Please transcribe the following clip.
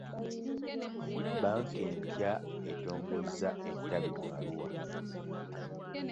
Bbanka empya etongozza ettabi mu Arua .